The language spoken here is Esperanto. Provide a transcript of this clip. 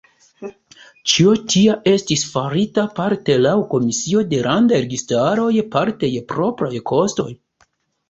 Ĉio tia estis farita parte laŭ komisio de landaj registaroj parte je propraj kostoj.